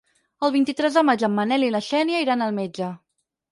El vint-i-tres de maig en Manel i na Xènia iran al metge.